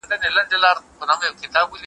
او محتاجه د لاسونو د انسان دي `